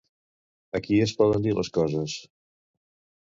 Aquí es poden dir les coses.